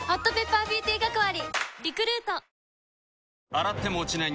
洗っても落ちない